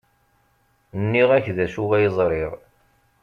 Nniɣ-ak d acu ay ẓriɣ.